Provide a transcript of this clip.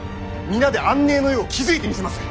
皆で安寧の世を築いてみせます！